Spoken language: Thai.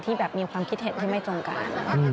แบบมีความคิดเห็นที่ไม่ตรงกัน